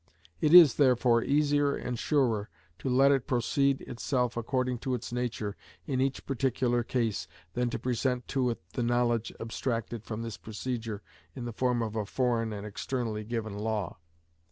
It is, therefore, easier and surer to let it proceed itself according to its nature in each particular case, than to present to it the knowledge abstracted from this procedure in the form of a foreign and externally given law.